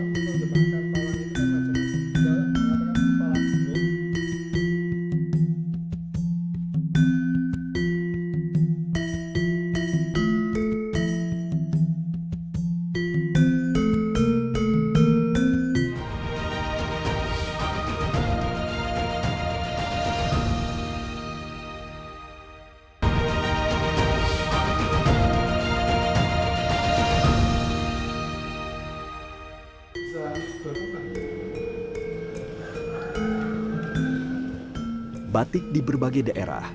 batik di beberapa daerah